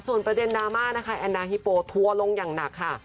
ส่วนประเด็นดราม่านะคะแอนนาฮิโปทัวร์ลงอย่างหนักค่ะ